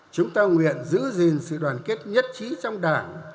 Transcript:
chúng ta nguyện giữ gìn sự đoàn kết nhất trí trong đảng